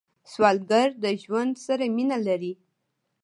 سوالګر د ژوند سره مینه لري